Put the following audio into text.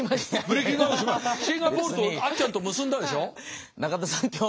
シンガポールとあっちゃんと結んだでしょ？